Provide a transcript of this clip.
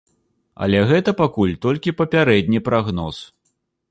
Але гэта пакуль толькі папярэдні прагноз.